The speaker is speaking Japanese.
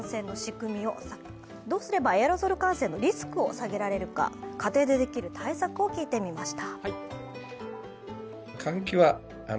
どうすればエアロゾル感染のリスクを下げられるか、家庭できる対策を聞いてみました。